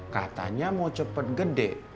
katanya mau cepet gede